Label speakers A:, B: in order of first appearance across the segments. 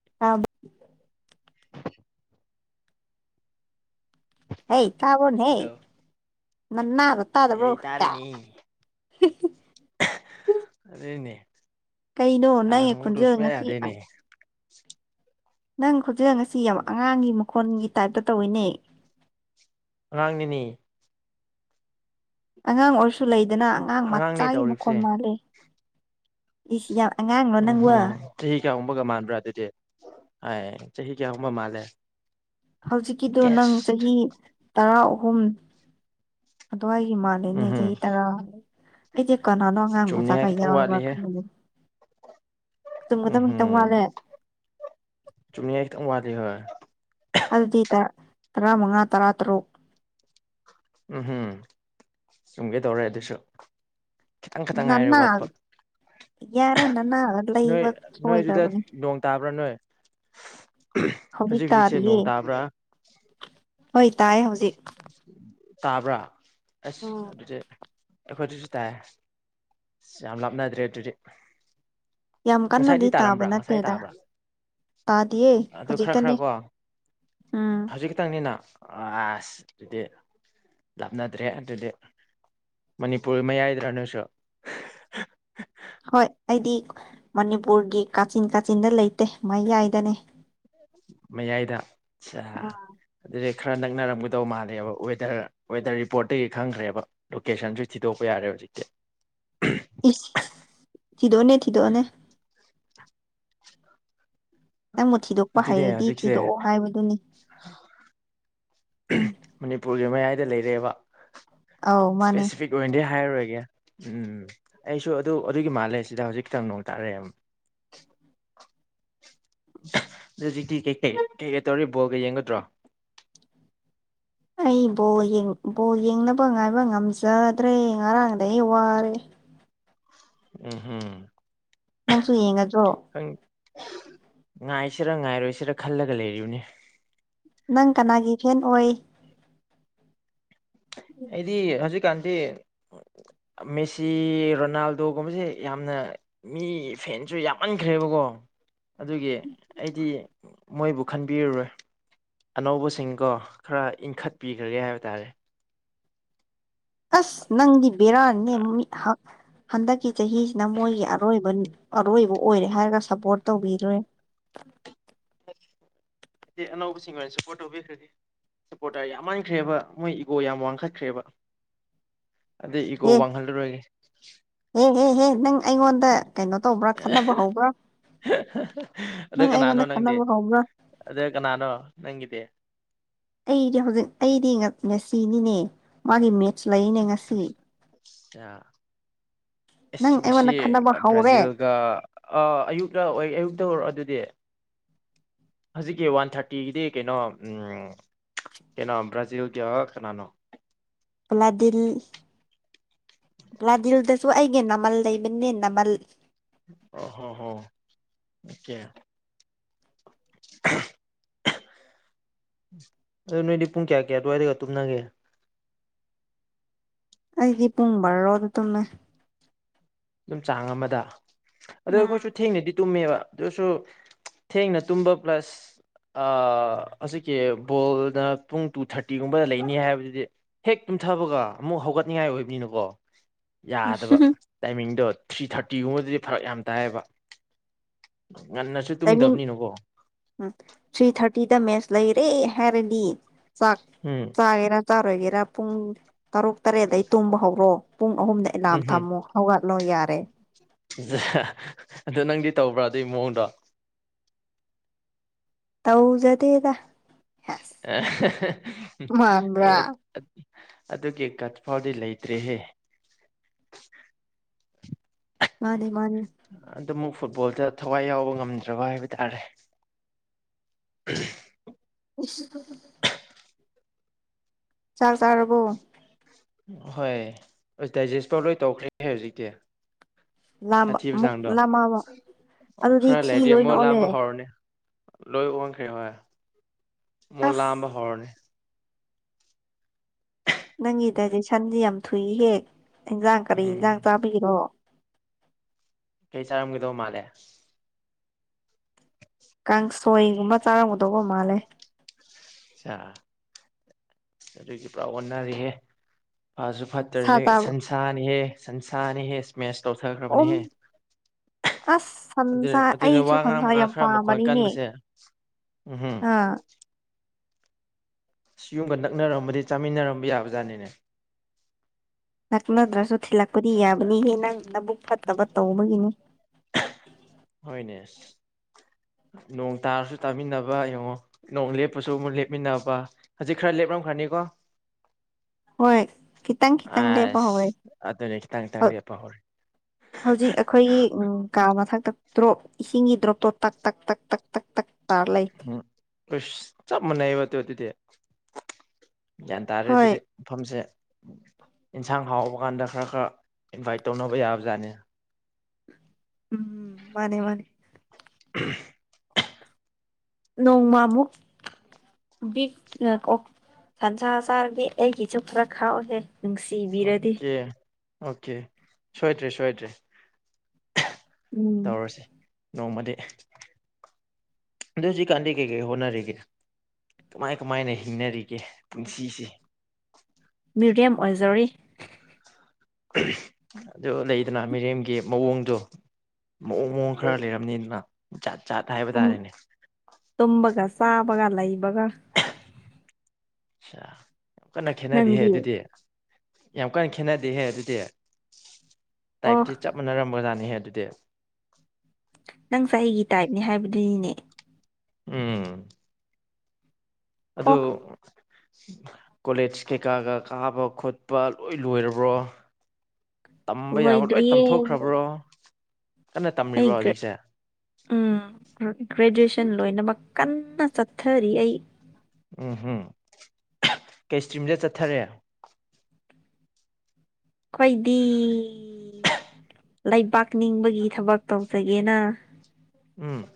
A: [unintelligible]
B: [unintelligible]
A: ꯍꯩ ꯇꯥꯕꯔ‌ꯣꯅ‌ꯦ ꯍꯩ
B: ꯍꯜꯂꯣ
A: ꯅꯟꯅꯗ‌ꯣ ꯇꯥꯗꯕ꯭ꯔꯣ
B: ꯑꯩ
A: ꯀꯥꯏ
B: ꯑꯗꯨꯅꯤꯅꯦ
A: ꯀꯩꯅꯣ ꯅꯪꯒꯤ
B: ꯁꯥꯟꯅꯍꯧꯗꯕ
A: ꯈꯣꯟꯖꯦꯜ
B: ꯁꯨꯡꯌꯥ
A: ꯉꯁꯤ
B: ꯌꯥꯗꯦꯅꯦ
A: ꯅꯪ ꯈꯣꯟꯖꯦꯜ ꯉꯥꯁꯤ ꯌꯥꯝ ꯑꯉꯥꯡꯒꯤ ꯃꯈꯣꯟꯒꯤ ꯇꯥꯏꯞꯇ ꯇꯧꯋꯤꯅꯦ
B: ꯑꯉꯥꯡ ꯅꯤꯅ‌ꯦ
A: ꯑꯉꯥꯡ ꯑꯣꯏꯔꯥꯁꯨ ꯂꯩꯗꯅ ꯑꯉꯥꯡ
B: ꯑꯉꯥꯡꯅꯦ
A: ꯃꯆꯥꯒꯤ ꯃꯈꯣꯜ
B: ꯇꯧꯔꯤꯕꯁꯦ
A: ꯃꯥꯜꯂꯦ ꯏꯁ ꯌꯥꯝ ꯑꯉꯥꯡ
B: ꯎꯝ ꯍꯝ ꯆꯥꯍꯤ ꯀꯌꯥꯒꯨꯝꯕꯒ ꯃꯥꯟꯕ꯭ꯔꯥ ꯑꯗꯨꯗꯤ ꯍꯣꯏ ꯆꯥꯍꯤ ꯀꯌꯥꯒꯨꯝꯕ ꯃꯥꯜꯂꯦ
A: ꯍꯧꯖꯤꯛꯀꯤꯗꯣ ꯅꯪ
B: ꯒꯦꯁ
A: ꯆꯥꯍꯤ ꯇꯔꯥ ꯑꯍꯨꯝ ꯑꯗꯨꯋꯥꯏꯒꯤ ꯃꯥꯟ
B: ꯎꯝ
A: ꯑꯗꯨꯅꯦ
B: ꯍꯝ
A: ꯆꯍꯤ ꯇꯔꯥ ꯑꯩꯗꯤ ꯀꯅꯥꯅꯣ ꯑꯉꯥꯡ
B: ꯆꯨꯝꯅꯤꯡꯉꯥꯏ
A: ꯃꯆꯥꯒ
B: ꯈꯤꯇꯪ
A: ꯌꯥꯎꯔꯕ
B: ꯋꯥꯠꯂꯤꯍꯦ
A: ꯈꯟꯕꯥꯅꯦ ꯈꯤꯇꯪ
B: ꯎꯝꯍꯨꯝ
A: ꯋꯥꯠꯂꯦ
B: ꯆꯨꯝꯃ‌ꯦ ꯈꯤꯇꯪ ꯋꯥꯠꯂ‌ꯦ ꯍꯣꯏ
A: ꯑꯗꯨꯗꯤ ꯇ ꯇꯔꯥꯃꯉꯥ ꯇꯔꯥꯇꯔꯨꯛ
B: ꯎꯝ ꯍꯨꯝ ꯆꯨꯝꯒꯦ ꯇꯧꯔꯦ ꯑꯗꯨꯁꯨ ꯈꯤꯇꯪ ꯈꯤꯇꯪ ꯉꯥꯏꯔꯦ
A: ꯅꯅꯥ
B: ꯋꯥꯠꯄ
A: ꯌꯥꯔꯦ ꯅꯅꯥ
B: ꯅꯣꯏ
A: ꯂꯩꯕ
B: ꯅꯣꯏ ꯑꯗꯨꯗ
A: ꯁꯣꯏꯗ꯭ꯔꯕꯅꯤ
B: ꯅꯣꯡ ꯇꯥꯕ꯭ꯔꯥ ꯅꯣꯏ ꯍꯧꯖꯤꯛ ꯍꯧꯖꯤꯛꯁꯦ ꯅꯣꯡ ꯇꯥꯕ꯭ꯔꯥ
A: ꯍꯣꯏ ꯇꯥꯏꯌꯦ ꯍꯧꯖꯤꯛ
B: ꯇꯥꯕ꯭ꯔꯥ ꯑꯁ
A: ꯎꯝ
B: ꯑꯗꯨꯗꯤ ꯑꯩꯈꯣꯏꯗꯁꯨ ꯇꯥꯏꯌꯦ ꯑꯁ ꯌꯥꯝ ꯂꯥꯞꯅꯗ꯭ꯔꯦ ꯑꯗꯨꯗꯤ
A: ꯌꯥꯝ ꯀꯟꯅꯗꯤ
B: ꯉꯁꯥꯏꯗꯤ
A: ꯇꯥꯕ
B: ꯇꯥꯔꯝꯕ꯭ꯔꯥ ꯉꯁꯥꯏ
A: ꯅꯠꯇꯦꯗ
B: ꯇꯥꯕ꯭ꯔꯥ
A: ꯇꯥꯗꯤꯌꯦ
B: ꯑꯗꯨ ꯈꯔ ꯈꯔ
A: ꯍꯧꯖꯤꯛꯇꯅꯦ
B: ꯀꯣ
A: ꯎꯝ
B: ꯍꯧꯖꯤꯛ ꯈꯤꯇꯪꯅꯤꯅ ꯑꯁ ꯑꯗꯨꯗꯤ ꯂꯥꯞꯅꯗ꯭ꯔꯦ ꯑꯗꯨꯗꯤ ꯃꯅꯤꯄꯨꯔ ꯃꯌꯥꯏꯗꯔꯥ ꯅꯪꯁꯨ
A: ꯍꯣꯏ ꯑꯩꯗꯤ ꯃꯅꯤꯄꯨꯔꯒꯤ ꯀꯥꯆꯤꯟ ꯀꯥꯆꯤꯟꯗ ꯂꯩꯇꯦ ꯃꯌꯥꯏꯗꯥꯅꯦ
B: ꯃꯌꯥꯏꯗ
A: ꯎꯝ
B: ꯑꯗꯨꯗꯤ ꯈꯔ ꯅꯛꯅꯔꯝꯒꯗꯧ ꯃꯥꯜꯂꯦꯕ ꯋꯦꯗ꯭ꯔ ꯋꯦꯗ꯭ꯔ ꯔꯤꯄꯣꯔꯠꯇꯥꯒꯤ ꯈꯪꯈ꯭ꯔꯦꯕ ꯂꯣꯀꯦꯁꯟꯁꯨ ꯊꯤꯗꯣꯛꯄ ꯌꯥꯔꯦ ꯍꯧꯖꯤꯛꯇꯤ
A: ꯏꯁ ꯊꯤꯗꯣꯛꯑꯣꯅꯦ ꯊꯤꯗꯣꯛꯑꯣꯅꯦ ꯅꯪꯕꯨ ꯊꯤꯗꯣꯛꯄ
B: ꯑꯗꯨꯅꯦ
A: ꯍꯩꯔꯥꯗꯤ
B: ꯍꯧꯖꯤꯛꯁꯦ
A: ꯊꯤꯗꯣꯛꯑꯣ ꯍꯥꯏꯕꯗꯨꯅꯤ ꯎꯝ
B: ꯃꯅꯤꯄꯨꯔꯒꯤ ꯃꯌꯥꯏꯗ ꯂꯩꯔꯦꯕ
A: ꯑꯧ ꯃꯥꯅꯦ
B: ꯂꯣꯏꯅꯗꯤ ꯍꯥꯏꯔꯥꯔꯣꯏꯒꯦ ꯎꯝ ꯑꯩꯁꯨ ꯑꯗꯨ ꯑꯗꯨꯒꯤ ꯃꯥꯜꯂꯦ ꯁꯤꯗ ꯍꯧꯖꯤꯛꯇꯪ ꯅꯣꯡ ꯇꯥꯔꯛꯑꯦꯕ ꯑꯗꯨꯗꯤ ꯀꯩ ꯀꯩ ꯀꯩ ꯀꯩ ꯇꯧꯔꯤ ꯕꯣꯜꯒ ꯌꯦꯡꯒꯗ꯭ꯔꯣ
A: ꯑꯩ ꯕ‌ꯣꯜ ꯌ‌ꯦꯡ ꯕꯣꯜ ꯌꯦꯡꯅꯕ ꯉꯥꯏꯕ ꯉꯝꯖꯗ꯭ꯔꯦ ꯉꯔꯥꯡꯗꯩ ꯋꯥꯔꯦ
B: ꯎꯝꯍꯨꯝ
A: ꯅꯪꯁꯨ ꯌꯦꯡꯒꯗ꯭ꯔꯣ
B: ꯪ ꯉꯥꯏꯁꯤꯔꯥ ꯉꯥꯏꯔꯣꯏꯁꯤꯔꯥ ꯈꯜꯂꯒ ꯂꯩꯔꯤꯕꯅ‌ꯦ
A: ꯅꯪ ꯀꯅꯥꯒꯤ ꯐꯦꯟ ꯑꯣꯏ
B: ꯑꯩꯗꯤ ꯍꯧꯖꯤꯛꯀꯥꯟꯗꯤ ꯃꯦꯁꯤ ꯔꯣꯅꯥꯜꯗꯣꯒꯨꯝꯕꯁꯦ ꯌꯥꯝꯅ ꯃꯤ ꯐꯦꯟꯁꯨ ꯌꯥꯝꯃꯟꯈ꯭ꯔꯦꯕꯥꯀꯣ ꯑꯗꯨꯒꯤ ꯑꯩꯗꯤ ꯃꯣꯏꯕꯨ ꯈꯟꯕꯤꯔꯔꯣꯏ ꯑꯅꯧꯕꯥꯁꯤꯡꯀꯣ ꯈ꯭ꯔ ꯏꯪꯈꯠꯄꯤꯈ꯭ꯔꯒꯦ ꯍꯥꯏꯕ ꯇꯥꯔꯦ
A: ꯑꯁ ꯅꯪꯗꯤ ꯕꯦꯔꯥꯅꯤꯅꯦ ꯃꯤ ꯍꯥ ꯍꯟꯗꯛꯀꯤ ꯆꯍꯤꯁꯤꯅ ꯃꯣꯏꯒꯤ ꯑꯔꯣꯏꯕ ꯑꯔꯣꯏꯕ ꯑꯣꯏꯔꯦ ꯍꯥꯏꯔꯒ ꯁꯞꯄꯣꯔꯠ ꯇꯧꯕꯤꯔꯣꯏ
B: ꯁꯤ ꯑꯅꯧꯕꯁꯤꯡꯅ ꯁꯞꯄꯣꯔꯠ ꯇꯧꯕꯤꯈ꯭ꯔꯗꯤ ꯁꯞꯄꯣꯔꯠꯇ꯭ꯔ ꯌꯥꯝꯃꯟ ꯈ꯭ꯔꯦꯕ ꯃꯣꯏ ꯏꯒꯣ ꯌꯥꯝ ꯋꯥꯡꯈꯠꯈ꯭ꯔꯦꯕ ꯑꯗꯨꯏ ꯏꯒꯣ ꯋꯥꯡꯍꯜ ꯂꯥꯔꯣꯏꯒꯦ
A: ꯑꯦꯍꯦꯍꯦꯍ ꯅꯪ ꯑꯩꯉꯣꯟꯗ ꯀꯩꯅꯣ ꯇꯧꯕ꯭ꯔꯥ ꯈꯠꯅꯕ ꯍꯧꯕ꯭ꯔꯥ
B: ꯑꯗꯣ
A: ꯅꯪ
B: ꯀꯅꯥꯅꯣ
A: ꯑꯩꯉꯣꯟꯗ
B: ꯅꯪꯗꯤ
A: ꯈꯠꯅꯕ ꯍꯧꯕ꯭ꯔꯥ
B: ꯑꯗꯣ ꯀꯅꯥꯅꯣ ꯅꯪꯒꯤꯗꯤ
A: ꯑꯩꯗꯤ ꯍꯧꯖꯤꯛ ꯑꯩꯗꯤ ꯉꯁꯤꯅꯤꯅꯦ ꯃꯥꯒꯤ ꯃꯤꯠ
B: ꯑ [unintelligible] ꯑꯁ
A: ꯅꯪ
B: ꯉꯥꯁꯤ
A: ꯑꯩꯉꯣꯟꯗ ꯈꯟꯅꯕ ꯍꯧꯔꯦ
B: ꯕ꯭ꯔꯥꯖꯤꯜꯒ ꯑ ꯑꯌꯨꯛꯔꯥ ꯑꯌꯨꯛꯇ ꯑꯣꯏꯔꯦ ꯑꯗꯨꯗꯤ‍ ꯍꯧꯖꯤꯛꯀꯤ ꯋꯥꯟ ꯊꯥꯔꯇꯤꯒꯤꯗꯤ ꯀꯩꯅꯣ ꯀꯩꯅꯣ ꯕ꯭ꯔꯥꯖꯤꯜꯒꯥ ꯀꯅꯥꯅꯣ
A: ꯕ꯭ꯂꯥꯗꯤꯜ ꯕ꯭ꯂꯥꯗꯤꯜꯗꯁꯨ ꯑꯩꯒꯤ ꯅꯃꯜ ꯂꯩꯕꯅꯦ ꯅꯃꯜ
B: ꯑꯣ ꯍꯣ ꯍꯣ ꯑꯣꯀꯦ ꯑꯗꯨ ꯅꯣꯏꯗꯤ ꯄꯨꯡ ꯀꯌꯥ ꯀꯌꯥ ꯑꯗꯨꯋꯥꯏꯗꯒ ꯇꯨꯝꯅꯒꯦ
A: ꯑꯩꯗꯤ ꯄꯨꯡ ꯕꯥꯔꯣꯗ ꯇꯨꯝꯃꯦ
B: ꯑꯗꯨꯝ ꯆꯥꯡ ꯑꯃꯗ ꯑꯗꯣ ꯑꯩꯈꯣꯏꯁꯨ
A: ꯎꯝ
B: ꯊꯦꯡꯅꯥꯗꯤ ꯇꯨꯝꯃꯦꯕ ꯑꯗꯨꯁꯨ ꯊꯦꯡꯅ ꯇꯨꯝꯕ ꯄ꯭ꯂꯁ ꯑ ꯍꯧꯖꯤꯛꯀꯤ ꯕꯣꯜꯅ ꯄꯨꯡ ꯇꯨ ꯊꯥꯔꯇꯤꯒꯨꯝꯕꯗ ꯂꯩꯅꯤ ꯍꯥꯏꯕꯗꯨꯗꯤ ꯍꯦꯛ ꯇꯨꯝꯊꯥꯕꯒ ꯑꯃꯨꯛ ꯍꯧꯒꯠꯅꯤꯡꯉꯥꯏ ꯑꯣꯏꯕꯅꯤꯅ ꯀꯣ ꯌꯥꯗꯕ ꯇꯥꯏꯃꯤꯡꯗꯣ ꯊ꯭ꯔꯤ ꯊꯥꯔꯇꯤꯒꯨꯝꯕꯗꯗꯤ ꯐꯥꯔꯛ ꯌꯥꯝ ꯇꯥꯏꯌꯦꯕ ꯉꯟꯅꯁꯨ ꯑꯗꯣ
A: ꯇꯥꯏꯃꯤꯡ
B: ꯇꯨꯝꯗꯥꯕꯅꯤꯅ ꯀꯣ
A: ꯎꯝ ꯊ꯭ꯔꯤ ꯊꯥꯔꯇꯤꯗ ꯃꯦꯠꯁ ꯂꯩꯔꯦ ꯍꯥꯏꯔꯗꯤ ꯆꯥꯛ
B: ꯎꯝ
A: ꯆꯥꯒꯦꯔꯥ ꯆꯥꯔꯣꯏꯒꯦꯔꯥ ꯄꯨꯡ ꯇꯔꯨꯛ ꯇꯔꯦꯠꯇꯩ ꯇꯨꯝꯕ ꯍꯧꯔꯣ ꯄꯨꯡ ꯑꯍꯨꯝꯗ ꯑꯦꯂꯥꯝ
B: ꯎꯝ
A: ꯊꯝꯃꯣ ꯍꯧꯒꯠꯂꯣ ꯌꯥꯔꯦ
B: ꯑꯗꯣ ꯅꯪꯗꯤ ꯇꯧꯕ꯭ꯔꯣ ꯑꯗꯨꯏ ꯃꯑꯣꯡꯗꯣ
A: ꯇꯧꯖꯗꯦꯗ ꯍꯦꯁ ꯃꯥꯟꯕ꯭ꯔꯥ
B: ꯑ ꯑꯗꯨꯒꯤ ꯒꯠ ꯐꯥꯎꯗꯤ ꯂꯩꯇ꯭ꯔꯦꯍꯦ
A: ꯃꯥꯅꯦ ꯃꯥꯅꯦ
B: ꯑꯗꯨ ꯑꯃꯨꯛ ꯐꯨꯠꯕꯣꯜꯗ ꯊꯋꯥꯏ ꯌꯥꯎꯕ ꯉꯝꯗ꯭ꯔꯕ ꯍꯥꯏꯕ ꯇꯥꯔꯦ
A: ꯏꯁ [unintelligible] ꯆꯥꯛ ꯆꯥꯔꯕꯣ
B: ꯍꯣꯏ ꯑꯁ ꯗꯥꯏꯖꯦꯁꯄꯣꯔ ꯂꯣꯏ ꯇꯧꯈ꯭ꯔꯦ ꯍꯧꯖꯤꯛꯇꯤ
A: ꯂꯥꯝꯕ
B: ꯁꯥꯊꯤꯕ
A: ꯑꯃꯨꯛ
B: ꯆꯥꯡꯗꯣ
A: ꯂꯥꯝꯃꯛꯑꯕ ꯑꯗꯨꯗꯤ
B: ꯈꯔ
A: ꯊꯤ
B: ꯂꯩꯔꯗꯤ
A: ꯂꯣꯏꯅ
B: ꯑꯃꯨꯛ
A: ꯑꯣꯜꯂꯦ
B: ꯂꯥꯝꯕ ꯍꯧꯔꯅꯦ ꯂꯣꯏ ꯑꯣꯟꯈ꯭ꯔꯦ ꯍꯣꯏ ꯃꯨ
A: ꯑꯁ
B: ꯂꯥꯑꯝꯕ ꯍꯧꯔꯅꯤ [unintelligible]
A: ꯅꯪꯒꯤ ꯗꯥꯏꯖꯁꯟꯁ ꯌꯥꯝ ꯊꯨꯏ ꯍꯦꯛ ꯏꯟꯖꯥꯡ ꯀꯔꯤ
B: ꯎꯝ
A: ꯏꯟꯖꯥꯡ ꯆꯥꯕꯤꯔꯣ
B: ꯀꯩ ꯆꯥꯔꯝꯒꯗꯧꯕ ꯃꯥꯜꯂꯦ
A: ꯀꯥꯡꯁꯣꯏꯒꯨꯝꯕ ꯆꯥꯔꯝꯒꯗꯧꯕ ꯃꯥꯜꯂꯦ
B: ꯑꯗꯨꯒꯤ ꯄꯨ꯭ꯔꯥ ꯑꯣꯟꯅꯔꯤꯍꯦ ꯐꯁꯨ
A: ꯁꯥ
B: ꯐꯠꯇ꯭ꯔꯁꯦ
A: ꯆꯥꯕ
B: ꯁꯟꯁꯥꯅꯤꯍꯦ ꯁꯟꯁꯥꯅꯤꯍꯦ ꯏꯁꯃꯦꯁ
A: ꯑꯣꯝ
B: ꯇꯧꯊꯈ꯭ꯔꯕꯅꯤꯍꯦ
A: ꯑꯁ
B: ꯑꯗꯨ
A: ꯁꯟꯁꯥ
B: ꯑꯗꯨꯅ
A: ꯑꯩꯁꯨ
B: ꯋꯥ
A: ꯁꯟꯁꯥ
B: ꯉꯥꯡꯕꯀ
A: ꯌꯥꯝ
B: ꯈꯔ ꯃꯈꯣꯟ
A: ꯄꯥꯝꯕꯅꯤꯅꯦ
B: ꯀꯟꯕꯁꯦ ꯎꯍꯨꯝ
A: ꯑꯥ
B: ꯁꯤꯒꯨꯝꯕ ꯅꯛꯅꯔꯝꯕꯗꯤ ꯆꯥꯃꯤꯟꯅꯔꯝꯕ ꯌꯥꯕ ꯖꯥꯠꯅꯤꯅꯦ
A: ꯅꯛꯅꯗ꯭ꯔꯁꯨ ꯊꯤꯜꯂꯛꯄꯗꯤ ꯌꯥꯕꯅꯤꯍꯦ ꯅꯪ ꯅꯕꯨꯛ ꯐꯠꯇꯕ ꯇꯧꯕꯒꯤꯅꯤ
B: ꯍꯣꯏꯅꯦ ꯅꯣꯡ ꯇꯥꯔꯁꯨ ꯇꯥꯃꯤꯟꯅꯕ ꯌꯦꯡꯉꯣ ꯅꯣꯡ ꯂꯦꯞꯄꯁꯨ ꯑꯃꯨꯛ ꯂꯦꯞꯃꯤꯟꯅꯕ ꯍꯧꯖꯤꯛ ꯈꯔ ꯂꯦꯞꯂꯝꯝꯈ꯭ꯔꯅꯤꯀꯣ
A: ꯍꯣꯏ ꯈꯤꯇꯪ ꯈꯤꯇꯪ ꯂꯦꯞꯄ
B: ꯑꯁ
A: ꯍꯧꯔꯦ
B: ꯑꯗꯨꯅꯤ ꯈꯤꯇꯪ
A: ꯍꯧ
B: ꯈꯤꯇꯪꯗꯤꯄꯍꯦ
A: ꯍꯧꯖꯤꯛ ꯑꯩꯈꯣꯏꯒꯤ ꯎ ꯀꯥ ꯃꯊꯛꯇ ꯗ꯭ꯔꯣꯞ ꯏꯁꯤꯡꯒꯤ ꯗ꯭ꯔꯣꯞꯇꯣ ꯇꯛ ꯇꯛ ꯇꯛ ꯇꯛ ꯇꯛ ꯇꯛ ꯇꯥꯔ ꯂꯩ
B: ꯎꯝꯁ ꯆꯞ ꯃꯥꯟꯅꯩꯕ ꯑꯗꯨ ꯑꯗꯨꯗꯤ ꯒ꯭ꯌꯥꯟ ꯇꯥꯔꯦ
A: ꯍꯣꯏ
B: ꯑꯗꯨꯗꯤ ꯃꯐꯝꯁꯦ ꯌꯦꯟꯁꯥꯡ ꯍꯥꯎꯕ ꯀꯥꯟꯗ ꯈꯔ ꯈꯔ ꯏꯟꯚꯥꯏꯠ ꯇꯧꯅꯕ ꯌꯥꯕꯖꯥꯠꯅꯤ
A: ꯎꯝ ꯃꯥꯅꯦ ꯃꯥꯅꯦ
B: [unintelligible]
A: ꯅꯣꯡꯃꯥꯃꯨ ꯕꯤ ꯁꯟꯁꯥ ꯆꯥꯔꯗꯤ ꯑꯩꯒꯤꯁꯨ ꯄꯨꯔ ꯈꯥꯎꯁꯦ
B: ꯑꯣꯀꯦ ꯑꯣꯀꯦ ꯁꯣꯏꯗ꯭ꯔꯦ ꯁꯣꯏꯗ꯭ꯔꯦ
A: ꯎꯝ
B: ꯇꯧꯔꯁꯤ ꯅꯣꯡꯃꯗꯤ ꯑꯗ ꯍꯧꯖꯤꯛꯀꯥꯟꯗꯤ ꯀꯩꯀꯩ ꯍꯣꯠꯅꯔꯤꯒꯦ ꯀꯃꯥꯏ ꯀꯃꯥꯏꯅ ꯍꯤꯡꯅꯔꯤꯒꯦ ꯄꯨꯟꯁꯤꯁꯦ
A: ꯃ꯭ꯔꯦꯝ ꯑꯣꯏꯖꯔꯤ
B: ꯑꯗꯨ ꯂꯩꯗꯅ ꯃꯤꯔꯦꯝꯒꯤ ꯃꯑꯣꯡꯗꯣ ꯃꯑꯣꯡ ꯃꯑꯣꯡ ꯈꯔ ꯂꯩꯔꯝꯅꯤꯗꯅ ꯖꯥꯠ ꯖꯥꯠ ꯍꯥꯏꯕ
A: ꯇꯨꯝ
B: ꯇꯥꯔꯦꯅꯦ
A: ꯇꯨꯝꯕꯒ ꯆꯥꯕꯒ ꯂꯩꯕꯒ
B: ꯑ ꯌꯥꯝ ꯀꯟꯅ ꯈꯦꯠꯅꯗꯍꯦ
A: ꯅꯪꯗꯤ
B: ꯑꯗꯨꯗꯤ ꯌꯥꯝ ꯀꯟꯅ ꯈꯦꯠꯅꯗꯦꯍꯦ ꯑꯗꯨꯗꯤ
A: ꯑꯣ
B: ꯇꯥꯏꯞꯇꯤ ꯆꯞ ꯅꯔꯝꯕꯖꯅꯤꯍꯦ ꯑꯗꯨꯗꯤ
A: ꯅꯪ ꯆꯍꯤꯒꯤ ꯇꯥꯏꯞꯅꯦ ꯍꯥꯏꯕꯗꯨꯅꯤꯅꯦ
B: ꯎꯝ
A: ꯑꯣ
B: ꯑꯗꯨꯗ ꯀꯣꯂꯦꯖ ꯀꯩꯀꯥꯒ ꯀꯥꯕ ꯈꯣꯠꯄ ꯂꯣꯏ ꯂꯣꯏꯔꯕ꯭ꯔꯣ ꯇꯝꯕ ꯌꯥꯕ꯭ꯔ ꯂꯣꯏ
A: ꯂꯣꯏꯗ꯭ꯔꯤꯌꯦ
B: ꯇꯝꯊꯣꯛꯈ꯭ꯔꯕ꯭ꯔꯣ ꯀꯟꯅ
A: ꯑꯩ
B: ꯇꯝꯃꯤꯕ꯭ꯔꯣ
A: ꯒ꯭ꯔꯦ
B: ꯍꯧꯖꯤꯛꯁꯦ
A: ꯎꯝ ꯒ꯭ꯔꯦꯖꯨꯑꯦꯁꯟ ꯂꯣꯏꯅꯃꯛ ꯀꯟꯅ ꯆꯠꯊꯔꯤ ꯑꯩ
B: ꯎꯝꯝ ꯀꯩ ꯏꯁꯇ꯭ꯔꯤꯝꯗ ꯆꯠꯊꯔꯦ
A: ꯑꯩꯈꯣꯏꯗꯤ ꯂꯩꯕꯥꯛ ꯅꯤꯡꯕꯒꯤ ꯊꯕꯛ ꯇꯧꯖꯒꯦꯅ
B: ꯎꯝ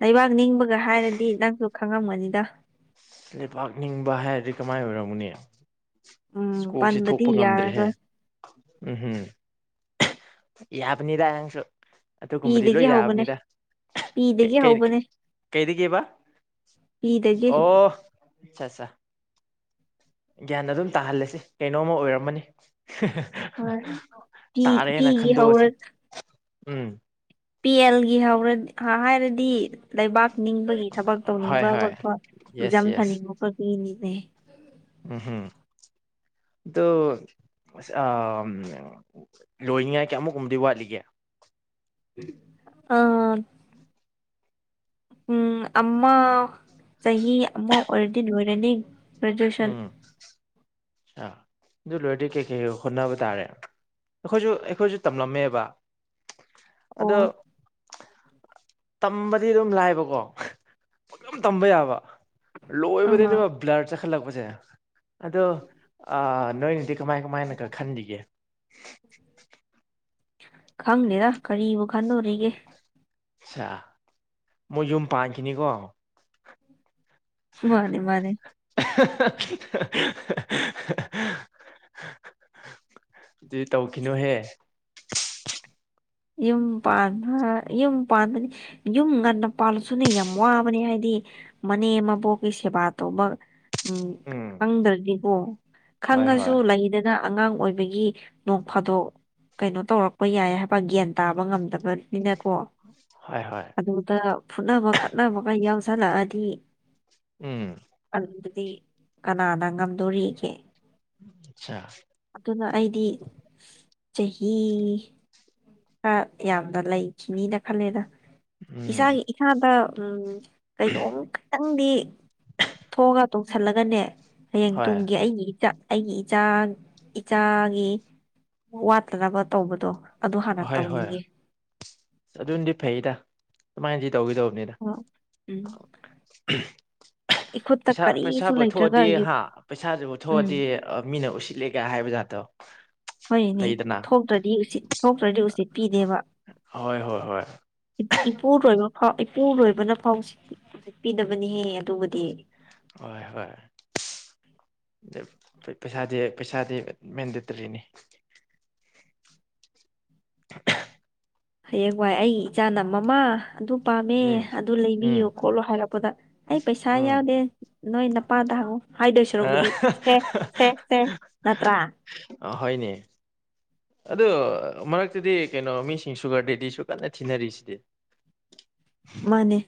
A: ꯂꯩꯕꯥꯛ ꯅꯤꯡꯕꯒ ꯍꯥꯏꯔꯗꯤ ꯅꯪꯁꯨ ꯈꯪꯉꯝꯒꯅꯤꯗ
B: ꯂꯩꯄꯥꯛꯥꯛ ꯅꯤꯡꯕ ꯍꯥꯏꯔꯗꯤ ꯀꯃꯥꯏ ꯑꯣꯏꯔꯝꯃꯅꯦ
A: ꯎꯝ
B: ꯁꯀꯣꯛꯁꯤꯦ
A: ꯄꯟꯕꯗꯤ
B: ꯊꯣꯛꯄ ꯉꯝꯗ꯭ꯔꯦꯍꯦ
A: ꯌꯥꯔꯔꯣꯏ
B: ꯎꯝꯝ ꯌꯥꯕꯅꯤꯗꯥꯪꯁꯨ ꯑꯗꯨꯒꯨꯝꯕꯗꯤ
A: ꯄꯤꯗꯒꯤ
B: ꯂꯣꯏ
A: ꯍꯧꯕꯅꯦ
B: ꯌꯥꯕꯅꯤꯗ
A: ꯄꯤꯗꯒꯤ ꯍꯧꯕꯅꯦ
B: ꯀꯩꯒꯦꯕ
A: ꯍꯗꯗꯒꯤꯦ
B: ꯑꯆꯥꯆꯥ ꯒ꯭ꯌꯥꯟ ꯑꯗꯨꯝ ꯇꯥꯍꯜꯂꯁꯤ ꯀꯩꯅꯣꯝꯃ ꯑꯣꯏꯔꯝꯃꯅꯤ
A: ꯍꯣꯏ ꯄꯤ
B: ꯇꯥꯔꯦꯅ
A: ꯄꯤꯒꯤ ꯍꯧꯔ
B: ꯈꯟꯗꯣꯛꯑꯁꯦ ꯎꯝ
A: ꯄꯤ ꯑꯦꯜꯒꯤ ꯍꯧꯔꯗꯤ ꯍꯥꯏꯔꯗꯤ ꯂꯩꯕꯥꯛ ꯅꯤꯡꯕꯒꯤ ꯊꯕꯛ
B: ꯍꯣꯏ
A: ꯇꯧꯅꯤꯡꯕ
B: ꯍꯣꯏ ꯌꯦꯁ
A: ꯈꯣꯠꯄꯆꯝ ꯐꯅꯤꯡꯕ ꯄꯒꯤꯅꯦ
B: ꯎꯝꯝ ꯇ ꯑ ꯂꯣꯏꯅꯤꯉꯥꯏ ꯀꯌꯥꯃꯨꯛꯀꯨꯝꯕꯗꯤ ꯋꯥꯠꯂꯤꯒꯦ
A: ꯑꯥ ꯎꯝ ꯑꯃ ꯆꯍꯤ ꯑꯃ ꯑꯣꯏꯔꯗꯤ ꯂꯣꯏꯔꯅꯤ ꯒ꯭ꯔꯦꯖꯨꯑꯦꯁꯟ
B: ꯎꯝ ꯑ ꯑꯗꯨ ꯂꯣꯏꯔꯗꯤ ꯀꯩꯀꯩ ꯍꯣꯠꯅꯕ ꯇꯥꯔꯦ ꯑꯩꯈꯣꯏꯁꯨ ꯑꯩꯈꯣꯏꯁꯨ ꯇꯝꯂꯝꯃꯦꯕ
A: ꯑꯣ
B: ꯑꯗꯣ ꯇꯝꯕꯗꯤ ꯑꯗꯨꯝ ꯂꯥꯏꯕꯀꯣ ꯑꯗꯨꯝ ꯇꯝꯕ ꯌꯥꯕ
A: ꯑꯥ
B: ꯂꯣꯏꯕꯗꯅꯦꯕ ꯕ꯭ꯂꯔ ꯆꯈꯠꯂꯛꯄꯁꯦ ꯑꯗꯣ ꯅꯣꯏꯅꯗꯤ ꯀꯃꯥꯏ ꯀꯃꯥꯏꯅ ꯈ ꯈꯟꯈꯤꯒꯦ
A: ꯈꯪꯅꯤꯗ ꯀꯔꯤꯕꯨ ꯈꯪꯗꯣꯔꯦ
B: ꯑ ꯃꯣꯏ ꯌꯨꯝ ꯄꯥꯟꯈꯤꯅꯤꯀꯣ
A: ꯅꯤ ꯃꯥꯅꯦ
B: [inaudible] ꯑꯗꯨ ꯇꯧꯈꯤꯅꯣꯍꯦ
A: ꯌ ꯄꯥꯟ ꯌ ꯄꯥꯟꯗꯝꯅꯤ ꯌꯨꯝ ꯉꯟꯅ ꯄꯥꯜꯂꯁꯨꯅꯦ ꯌꯥꯝ ꯋꯥꯕꯅꯦ ꯍꯥꯏꯕꯗꯤ ꯃꯅꯦ ꯏꯃꯕꯨ ꯀꯩꯁꯦꯕꯥ ꯇ ꯎꯝ ꯈꯪꯗ꯭ꯔꯗꯤꯀꯣ
B: ꯍꯣꯏ
A: ꯈꯪꯉꯁꯨ
B: ꯍꯣꯏ
A: ꯂꯩꯗꯅ ꯑꯉꯥꯡ ꯑꯣꯏꯕꯒꯤ ꯅꯣꯡ ꯐꯥꯗꯣꯛ ꯀꯩꯅꯣ ꯇꯧꯔꯛꯄ ꯌꯥꯏ ꯍꯥꯏꯕ ꯂꯄꯥ ꯒ꯭ꯌꯥꯟ ꯇꯥꯕ ꯉꯝꯗꯕꯅꯤꯅꯀꯣ
B: [unintelligible]
A: ꯑꯗꯨꯗ ꯐꯨꯠꯅꯕ ꯈꯠꯅꯕꯒ ꯌꯥꯎꯁꯜꯂꯛꯑꯗꯤ
B: ꯎꯝ
A: ꯑꯗꯨꯗꯤ ꯀꯅꯥꯅ ꯉꯝꯗꯣꯔꯤꯒꯦ
B: [unintelligible]
A: ꯑꯗꯨꯅ ꯑꯩꯗꯤ ꯆꯍꯤ ꯈꯔ ꯌꯥꯝꯅ ꯂꯩꯈꯤꯅꯤꯅ ꯈꯜꯂꯦꯗ
B: ꯎꯝ
A: ꯏꯁꯥꯒꯤ ꯏꯁꯥꯗ ꯎꯝ ꯀꯩꯗꯣꯝ ꯈꯈꯤꯇꯪꯗꯤ ꯊꯣꯛꯑꯒ ꯇꯧꯁꯜꯂꯒꯅꯦ ꯍꯌꯦꯡ
B: ꯍꯣꯏ
A: ꯇꯨꯡꯒꯤ ꯑꯩꯒꯤ ꯏꯆꯠ ꯑꯩꯒꯤ ꯏꯆꯥ ꯏꯆꯥꯒꯤ ꯋꯥꯠꯇꯅꯕ ꯇꯧꯕꯗꯣ ꯑꯗꯨ ꯍꯥꯟꯅ ꯇꯧꯅꯤꯡꯉꯦ
B: [unintelligible] ꯑꯗꯨꯅꯗꯤ ꯐꯩꯗ ꯁꯃꯥꯏꯅ ꯁꯤ ꯇꯧꯈꯤꯗꯧꯕꯅꯤꯗ
A: ꯑꯣ ꯎꯝ ꯏꯈꯨꯠꯇ
B: ꯄꯩꯁꯥ
A: ꯀꯔꯤꯁꯨ
B: ꯄꯩꯁꯥꯕꯨ
A: ꯂꯩꯇ꯭ꯔꯒ
B: ꯊꯣꯛꯑꯗꯤ
A: ꯌꯨ
B: ꯍꯥ
A: ꯎꯝ
B: ꯄꯩꯁꯥꯁꯤꯕꯨꯊꯑꯗꯤ ꯃꯤꯅ ꯎꯁꯤꯠꯂꯦ ꯀꯌꯥ ꯍꯥꯏꯕ ꯖꯥꯠꯇꯣ
A: ꯍꯣꯏ ꯏꯅꯦ
B: ꯂꯩꯗꯅ
A: ꯊꯣꯛꯇ꯭ꯔꯗꯤ ꯎꯁꯤꯠ ꯊꯣꯛꯇ꯭ꯔꯗꯤ ꯎ ꯎꯆꯠ ꯄꯤꯗꯦꯕ
B: ꯍꯣꯏ ꯍꯣꯏ ꯍꯣꯏ
A: ꯏꯄꯨꯔꯨꯔꯣꯏꯕ ꯐꯥꯎ ꯏꯄꯨꯔꯨꯔꯣꯏꯕꯅ ꯐꯥꯎꯛꯄꯤꯗꯕꯅꯤꯍꯦ ꯑꯗꯨꯕꯨꯗꯤ
B: ꯍꯣꯏ ꯍꯣꯏ ꯄꯩꯁꯥꯗꯤ ꯄꯩꯁꯥꯗꯤ ꯃꯦꯟꯗꯦꯇꯔꯤꯅꯤ [inaudible]
A: ꯍꯌꯦꯡ ꯋꯥꯏ ꯑꯩꯒꯤ ꯏꯆꯥꯅ ꯃꯃꯥ ꯑꯗꯨ ꯄꯥꯝꯃꯦ
B: ꯎꯝ
A: ꯑꯗꯨ ꯂꯩꯕꯤꯌꯨ
B: ꯎꯝ
A: ꯈꯣꯠꯂꯣ ꯍꯥꯏꯔꯛꯄꯗ ꯑꯩ ꯄꯩꯁꯥ
B: ꯎꯝ
A: ꯌꯥꯎꯗꯦ ꯅꯣꯏ ꯅꯄꯥꯗ ꯍꯥꯏꯗꯣꯏ ꯁꯔꯨꯛꯕꯨꯗꯤ ꯁꯦ ꯁꯦ ꯁꯦ ꯅꯠꯇ꯭ꯔꯥ
B: ꯑ ꯍꯅꯦ ꯑꯗꯨ ꯃꯔꯛ ꯑꯗꯨꯨꯗꯤ ꯀꯩꯅꯣ ꯃꯤꯁꯤꯡ ꯁꯨꯒꯔꯗꯗꯤ ꯁꯁꯨ ꯀꯟꯅ ꯊꯤꯅꯔꯤꯁꯤꯗꯤ
A: ꯃꯥꯅꯦ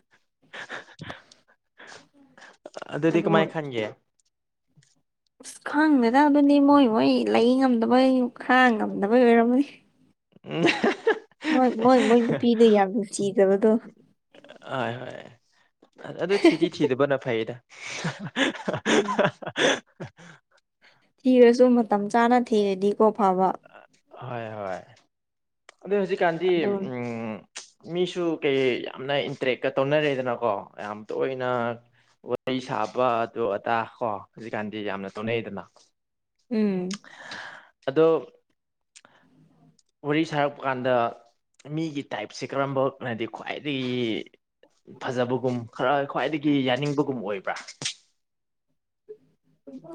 B: ꯑꯗꯨꯗꯤ ꯀ
A: ꯑꯗꯨ
B: ꯃꯥꯏ ꯈꯥꯟꯒꯦ
A: ꯑꯁ ꯈꯪꯗꯗ ꯑꯗꯨꯅꯤ ꯃꯣꯏ ꯃꯣꯏ ꯂꯩ ꯉꯝꯗꯕꯩ ꯈꯔ ꯉꯝꯗꯕꯩ ꯑꯣꯏꯔꯝꯅꯤ
B: [unintelligible]
A: ꯍꯣꯏ ꯃꯣꯏ ꯃꯣꯏ ꯅꯨꯄꯤꯗ ꯌꯥꯝ ꯅꯨꯡ ꯆꯤꯖꯕꯗꯣ
B: ꯑꯣꯏ ꯍꯣꯏ ꯑꯗꯨ ꯊꯤꯗꯤ ꯊꯤꯗꯕꯅ ꯐꯩꯌꯦꯗ
A: ꯎꯝ
B: [unintelligible]
A: ꯊꯤꯔꯁꯨ ꯃꯇꯝ ꯆꯥꯅ ꯊꯤꯔꯗꯤꯀꯣ ꯐꯕ
B: ꯍꯣꯏ ꯍꯣꯏ ꯑꯗꯨ ꯍꯧꯖꯤꯛꯀꯥꯟꯗꯤ
A: ꯑꯗꯨ
B: ꯎꯝ ꯃꯤꯁꯨ ꯀꯩ ꯌꯥꯝꯅ ꯏꯟꯇꯔꯦꯛꯀ ꯇꯧꯅꯔꯦꯗꯅꯀꯣ ꯌꯥꯝ ꯇꯣꯏꯅ ꯋꯥꯔꯤ ꯁꯥꯕ ꯑꯗꯨ ꯑꯗꯥ ꯀꯣ ꯍꯧꯖꯤꯛꯀꯥꯟꯗꯤ ꯌꯥꯝꯅ ꯇꯧꯅꯩꯗꯅ
A: ꯎꯝ
B: ꯑꯗꯣq ꯋꯥꯔꯤ ꯁꯥꯔꯛꯄ ꯀꯥꯟꯗ ꯃꯤꯒꯤ ꯇꯥꯏꯞꯁꯦ ꯀꯔꯝꯕꯅꯗꯤ ꯈ꯭ꯋꯥꯏꯗꯒꯤ ꯐꯖꯕꯒꯨꯝ ꯈꯔ ꯈ꯭ꯋꯥꯏꯗꯒꯤ ꯌꯥꯅꯤꯡꯕꯒꯨꯝ ꯑꯣꯏꯕ꯭ꯔꯥ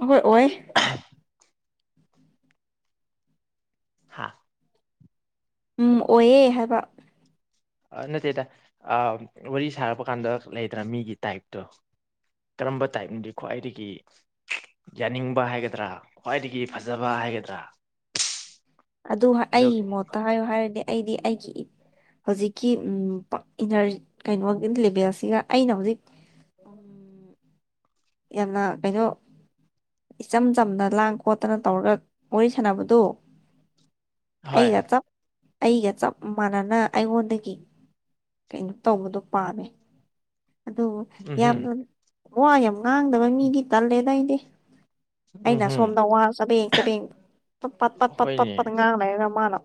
A: ꯍꯣꯏ ꯑꯣꯏ
B: [unintelligible]
A: ꯎꯝ ꯑꯣꯏꯌꯦ ꯍꯥꯏꯕ
B: ꯅꯠꯇꯦꯗ ꯋꯥꯔꯤ ꯁꯥꯔꯛꯄ ꯀꯥꯟꯗ ꯂꯩꯗ꯭ꯔꯥ ꯃꯤꯒꯤ ꯇꯥꯏꯞꯇꯣ ꯀꯔꯝꯕ ꯇꯥꯏꯞꯅꯗꯤ ꯈ꯭ꯋꯥꯏꯗꯒꯤ ꯌꯥꯅꯤꯡꯕ ꯍꯥꯏꯒꯗ꯭ꯔꯥ ꯈ꯭ꯋꯥꯏꯗꯒꯤ ꯐꯖꯕ ꯍꯥꯏꯒꯗ꯭ꯔꯥ
A: ꯑꯗꯨ
B: ꯑꯗꯣ
A: ꯑꯩꯒꯤ ꯃꯣꯠꯇ ꯍꯥꯏꯌꯨ ꯍꯥꯏꯔꯗꯤ ꯑꯩꯗꯤ ꯑꯩꯒꯤ ꯍꯧꯖꯤꯛꯀꯤ ꯏꯅꯔ ꯀꯩꯅꯣꯒꯤ ꯂꯦꯚꯦꯜꯁꯤꯒ ꯑꯩꯅ ꯍꯧꯖꯤꯛ ꯌꯥꯝꯅ ꯀꯩꯅꯣ ꯏꯆꯝ ꯆꯝꯅ ꯂꯥꯡ ꯈꯣꯠꯇꯅ ꯇꯧꯔꯒ ꯋꯥꯔꯤ ꯁꯥꯟꯅꯕꯗꯨ
B: ꯍꯣꯏ
A: ꯑꯩꯒ ꯆꯞ ꯑꯩꯒ ꯆꯞ ꯃꯥꯟꯅꯅ ꯑꯩꯉꯣꯟꯗꯒꯤ ꯀꯩꯅꯣ ꯇꯧꯕꯗꯣ ꯄꯥꯝꯃꯦ ꯑꯗꯨꯕꯨ
B: ꯎꯝ
A: ꯌꯥꯝꯅ ꯋꯥ ꯌꯥꯝ ꯉꯥꯡꯗꯕ ꯃꯤꯗꯤ ꯇꯜꯂꯦꯗ ꯑꯩꯗꯤ
B: ꯎꯝ
A: ꯑꯩꯅ
B: ꯎꯝ
A: ꯁꯣꯝꯗ ꯋꯥ ꯆꯕꯦꯡ ꯆꯕꯦꯡ ꯄꯠ ꯄꯠ ꯄꯠ ꯄꯠ
B: ꯍꯣꯏꯅꯦ
A: ꯄꯠꯄꯠ ꯉꯥꯡꯅꯔꯒ ꯃꯥꯅ